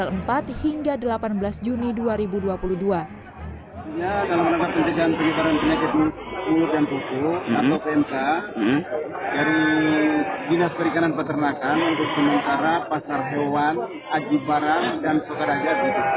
penutupan sementara dua pasar hewan yakni pasar aji barang dan sokaraja